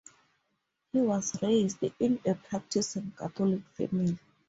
He was raised in a practicing Catholic family.